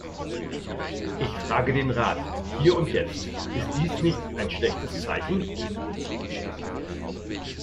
Ich frage den Rat, hier und jetzt, ist dies nicht ein schlechtes Zeichen?